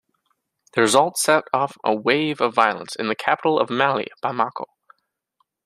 The result set off a wave of violence in the capital of Mali, Bamako.